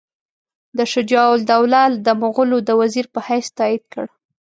ده شجاع الدوله د مغولو د وزیر په حیث تایید کړ.